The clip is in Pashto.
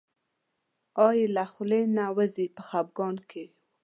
آه یې له خولې نه وځي په خپګان کې و.